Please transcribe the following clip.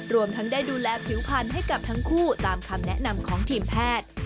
รวมทั้งได้ดูแลผิวพันธุ์ให้กับทั้งคู่ตามคำแนะนำของทีมแพทย์